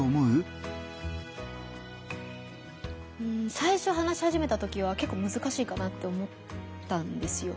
最初話し始めたときはけっこうむずかしいかなって思ったんですよ。